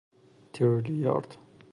تریلیارد